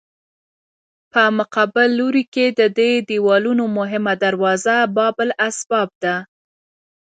په مقابل لوري کې د دې دیوالونو مهمه دروازه باب الاسباب ده.